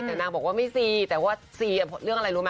แต่นางบอกว่าไม่ซีแต่ว่าซีเรื่องอะไรรู้ไหม